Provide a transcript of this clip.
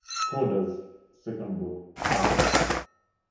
Korda's second book, Power!